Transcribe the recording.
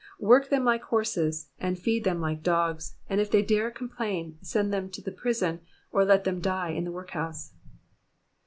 Work them like horses, and feed them like dogs ; and if they dare complain, send them to the prison or let them die in the workhouse.